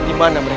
di mana mereka